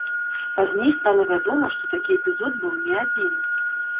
Пазней стала вядома, што такі эпізод быў не адзін.